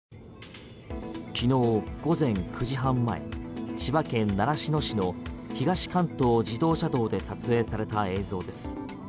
昨日午前９時半前千葉県習志野市の東関東自動車道で撮影された映像です。